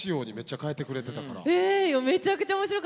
めちゃくちゃ面白かった。